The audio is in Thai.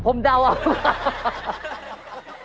ผมเดาครับ